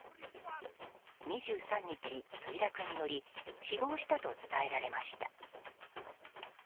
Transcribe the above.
２３日、墜落により死亡したと伝えられました。